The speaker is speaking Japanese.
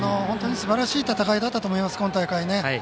本当にすばらしい戦いだったと思います、今大会。